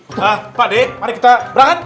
nah pakde mari kita berangkat